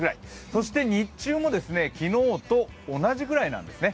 そして、日中も昨日と同じくらいなんですね。